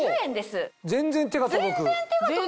全然手が届く。